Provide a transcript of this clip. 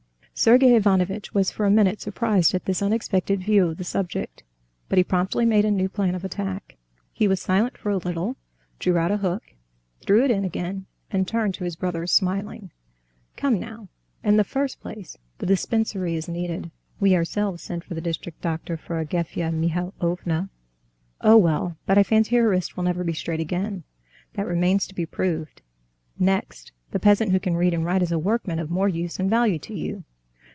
Sergey Ivanovitch was for a minute surprised at this unexpected view of the subject; but he promptly made a new plan of attack. He was silent for a little, drew out a hook, threw it in again, and turned to his brother smiling. "Come, now.... In the first place, the dispensary is needed. We ourselves sent for the district doctor for Agafea Mihalovna." "Oh, well, but I fancy her wrist will never be straight again." "That remains to be proved.... Next, the peasant who can read and write is as a workman of more use and value to you."